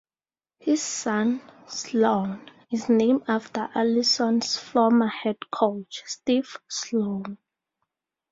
His son, Sloan, is named after Allison's former head coach, Steve Sloan.